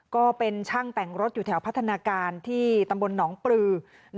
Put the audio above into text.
ก็เป็นช่างแต่งรถอยู่แถวพัฒนาการที่ตำบลหนองปลือ